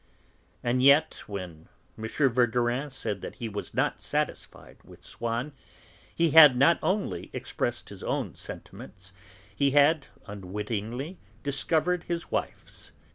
And yet, when M. Verdurin said that he was not satisfied with Swann, he had not only expressed his own sentiments, he had unwittingly discovered his wife's.